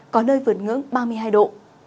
có nơi vượt ngưỡng ba mươi hai độ